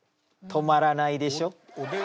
止まらないでしょ？